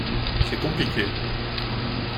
C’est compliqué.